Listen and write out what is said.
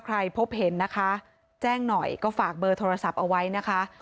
พบเห็นนะคะแจ้งหน่อยก็ฝากเบอร์โทรศัพท์เอาไว้นะคะ